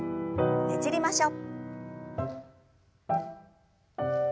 ねじりましょう。